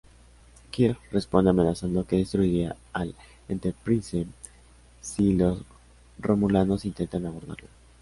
Kirk responde amenazando que destruirá al "Enterprise" si los romulanos intentan abordarlo.